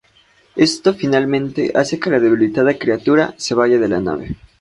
Esto finalmente hace que la debilitada criatura se vaya de la nave.